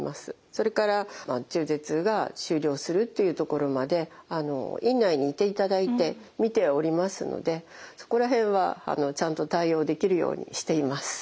それから中絶が終了するというところまで院内にいていただいてみておりますのでそこら辺はちゃんと対応できるようにしています。